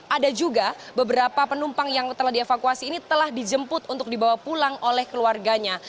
ada juga beberapa penumpang yang telah dievakuasi ini telah dijemput untuk dibawa pulang oleh keluarganya